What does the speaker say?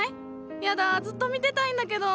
やだずっと見てたいんだけど！